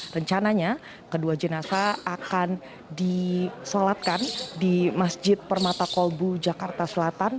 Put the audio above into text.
rencananya kedua jenazah akan disolatkan di masjid permata kolbu jakarta selatan